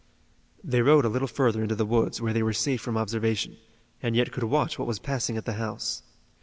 They rode a little further into the woods where they were safe from observation, and yet could watch what was passing at the house.